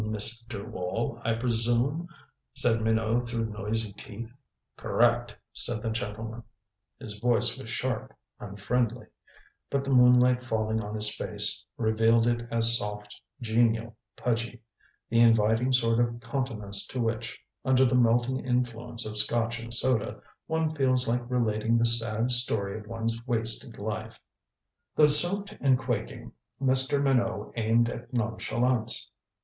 "Mr. Wall, I presume," said Minot through noisy teeth. "Correct," said the gentleman. His voice was sharp, unfriendly. But the moonlight, falling on his face, revealed it as soft, genial, pudgy the inviting sort of countenance to which, under the melting influence of Scotch and soda, one feels like relating the sad story of one's wasted life. Though soaked and quaking, Mr. Minot aimed at nonchalance.